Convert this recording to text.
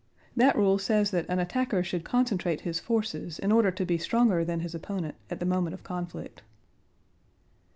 That rule says that an attacker should concentrate his forces in order to be stronger than his opponent at the moment of conflict.